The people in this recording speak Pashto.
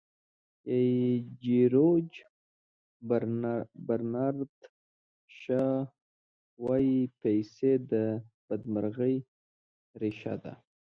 جیورج برنارد شاو وایي پیسې د بدمرغۍ ریښه ده.